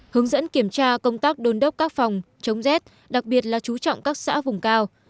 hướng dẫn kiểm tra công tác đôn đốc các phòng chống rét đặc biệt là chú trọng các xã vùng cao